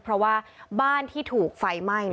เพราะว่าบ้านที่ถูกไฟไหม้